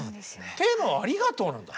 テーマは「ありがとう」なんだ。